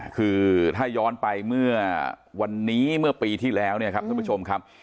คือถ้าย้อนไปเมื่อวันนี้เมื่อปีที่แล้วเนี่ยครับท่านผู้ชมครับ